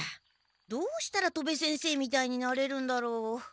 どうしたら戸部先生みたいになれるんだろう？